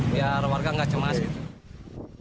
biar warga nggak cemas gitu